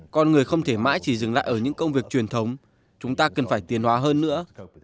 con người không thể mãi chỉ dừng lại ở những công việc truyền thống chúng ta cần phải tiền hóa hơn nữa